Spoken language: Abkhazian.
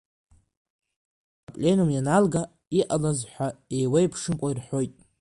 Апленум ианалга иҟалаз ҳәа еиуеиԥшымкәа ирҳәоит.